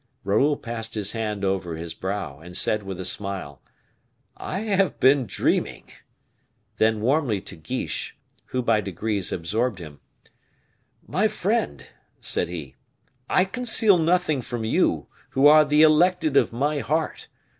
Raoul passed his hand over his brow, and said, with a smile, "I have been dreaming!" Then warmly to Guiche, who by degrees absorbed him, "My friend," said he, "I conceal nothing from you, who are the elected of my heart.